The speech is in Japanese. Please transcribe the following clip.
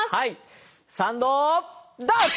「サンドどっち」！